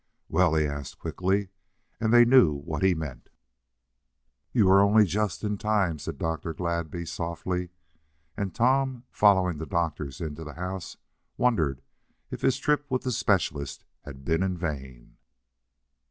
"Well?" he asked quickly, and they knew what he meant. "You are only just in time," said Dr. Gladby, softly, and Tom, following the doctors into the house, wondered if his trip with the specialist had been in vain.